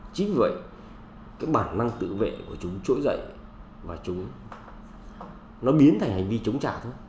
chính vì vậy cái bản năng tự vệ của chúng trỗi dậy và chúng nó biến thành hành vi chống trả thôi